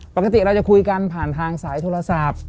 ปกติเราจะคุยกันผ่านทางสายโทรศัพท์